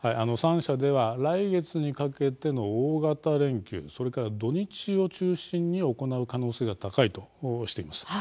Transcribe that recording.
３社では来月にかけての大型連休それから土日を中心に行う可能性が高いとしています。